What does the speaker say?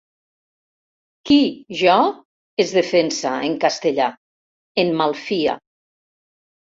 Qui, jo? —es defensa, en castellà; en malfia.